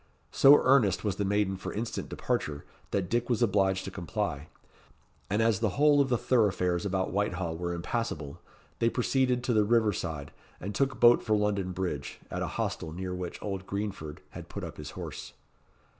So earnest was the maiden for instant departure, that Dick was obliged to comply; and as the whole of the thoroughfares about Whitehall were impassable, they proceeded to the river side, and took boat for London Bridge, at a hostel near which old Greenford had put up his horse.